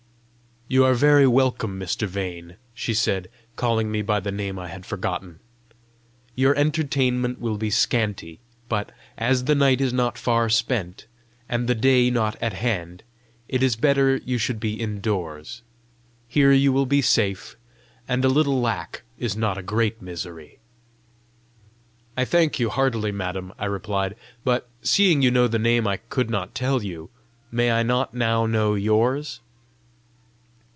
"You are very welcome, Mr. Vane!" she said, calling me by the name I had forgotten. "Your entertainment will be scanty, but, as the night is not far spent, and the day not at hand, it is better you should be indoors. Here you will be safe, and a little lack is not a great misery." "I thank you heartily, madam," I replied. "But, seeing you know the name I could not tell you, may I not now know yours?"